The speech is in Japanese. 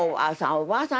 おばあさん」